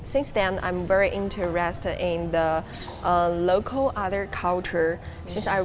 sejak itu saya sangat berminat dengan kultur lain lokal